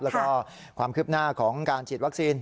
แล้วก็ความคืบหน้าของการฉีดวัคซีน